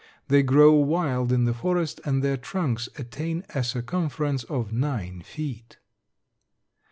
They grow wild in the forest and their trunks attain a circumference of nine feet.